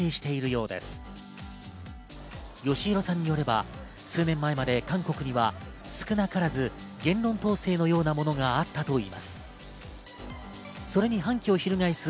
よしひろさんによれば、数年前まで韓国には少なからず、言論統制のようなものがあったといいます。